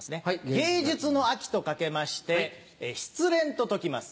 「芸術の秋」と掛けまして失恋と解きます。